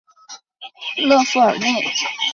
勒富尔内。